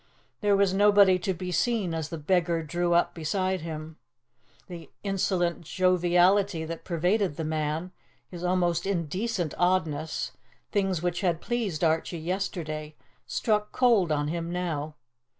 There was nobody to be seen as the beggar drew up beside him. The insolent joviality that pervaded the man, his almost indecent oddness things which had pleased Archie yesterday struck cold on him now.